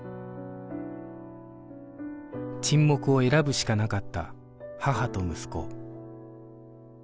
沈黙を選ぶしかなかった母と息子